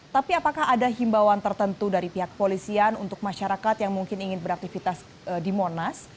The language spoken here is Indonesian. tapi apakah ada himbauan tertentu dari pihak polisian untuk masyarakat yang mungkin ingin beraktivitas di monas